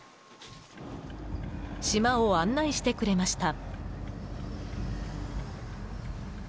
島を案内してくれました。